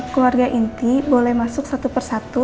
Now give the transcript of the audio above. keluarga inti boleh masuk satu persatu